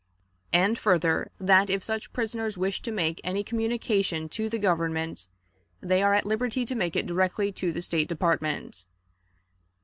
"And, further, that if such prisoners wish to make any communication to the Government, they are at liberty to make it directly to the State Department.